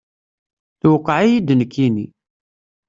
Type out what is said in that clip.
Tuqiɛ-yi-d nekkini.